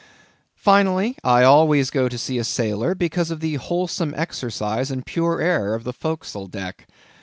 Finally, I always go to sea as a sailor, because of the wholesome exercise and pure air of the fore castle deck.